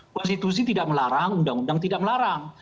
konstitusi tidak melarang undang undang tidak melarang